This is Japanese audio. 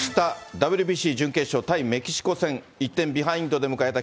ＷＢＣ準決勝、対メキシコ戦、１点ビハインドで迎えた